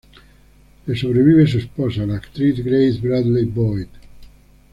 Le sobrevive su esposa, la actriz Grace Bradley Boyd.